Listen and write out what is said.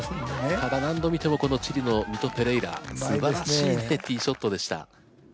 ただ何度見てもこのチリのミト・ペレイラすばらしいティーショットでした。